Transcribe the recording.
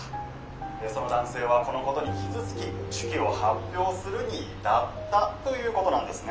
その男性はこのことに傷つき手記を発表するに至ったということなんですね」。